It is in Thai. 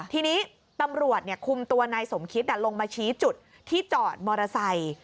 ทีนี้ตำรวจคุมตัวนายสมคิตลงมาชี้จุดที่จอดมอเตอร์ไซค์